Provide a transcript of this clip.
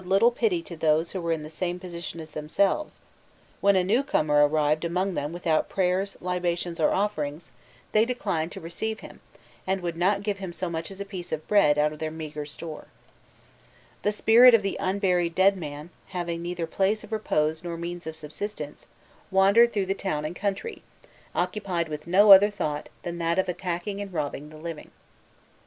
The dead, who were unable to earn an honest living, showed little pity to those who were in the same position as themselves: when a new comer arrived among them without prayers, libations, or offerings, they declined to receive him, and would not give him so much as a piece of bread out of their meagre store. The spirit of the unburied dead man, having neither place of repose nor means of subsistence, wandered through the town and country, occupied with no other thought than that of attacking and robbing the living.